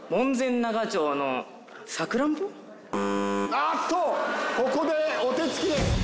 あっとここでお手つきです。